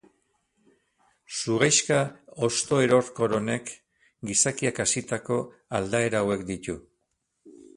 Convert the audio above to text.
Zuhaixka hosto-erorkor honek gizakiak hazitako aldaera hauek ditu.